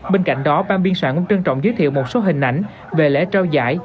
bên cạnh đó ban biên soạn cũng trân trọng giới thiệu một số hình ảnh về lễ trao giải